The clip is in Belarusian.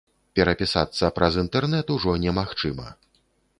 Перапісацца праз інтэрнэт ужо немагчыма.